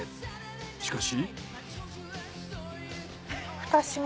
しかし。